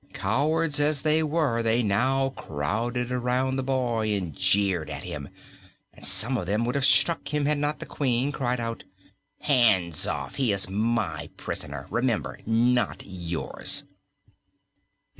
Cowards as they were, they now crowded around the boy and jeered at him, and some of them would have struck him had not the Queen cried out: "Hands off! He is my prisoner, remember not yours."